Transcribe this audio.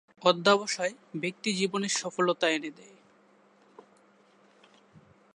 অধ্যবসায় ব্যক্তিজীবনে সফলতা এনে দেয়।